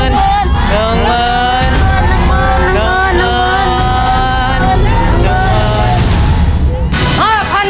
นังเบิ้น